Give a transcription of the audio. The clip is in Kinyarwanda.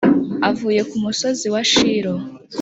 avuye kumusozi wa shilo